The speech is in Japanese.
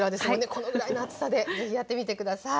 このぐらいの厚さで是非やってみて下さい。